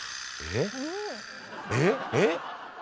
えっ？